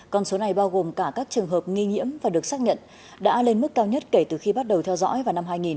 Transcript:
con số này bao gồm cả các trường hợp nghi nhiễm và được xác nhận đã lên mức cao nhất kể từ khi bắt đầu theo dõi vào năm hai nghìn